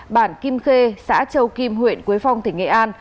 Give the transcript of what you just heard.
bản kim khê xã châu kim huyện quế phong tỉnh nghệ an